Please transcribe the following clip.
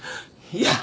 いや。